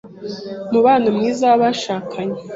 Umubano mwiza w’abashakanye